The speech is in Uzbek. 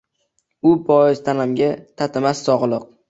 U bois tanamga tatimas sog’liq